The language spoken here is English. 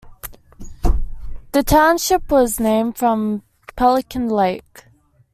This township was named from Pelican Lake.